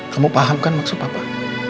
kamu paham kan maksud papa